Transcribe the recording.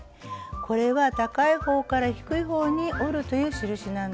これは「高い方から低い方に折る」という印なんです。